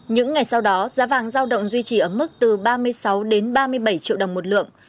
những ngày sau đó giá vàng giao động duy trì ở mức từ ba mươi sáu đến ba mươi bảy triệu đồng một lượng